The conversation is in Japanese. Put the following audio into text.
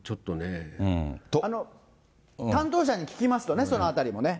担当者に聞きますとね、そのあたりもね。